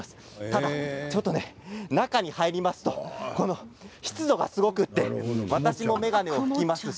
ただちょっと、中に入りますと湿度がすごくて私、眼鏡を拭きます。